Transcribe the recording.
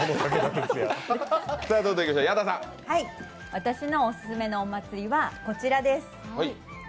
私のオススメのお祭りはこちらです。